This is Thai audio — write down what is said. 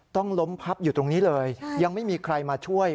ต้องล้มพับอยู่ตรงนี้เลยยังไม่มีใครมาช่วย